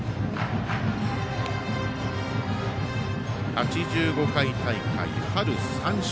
８５回大会春３勝。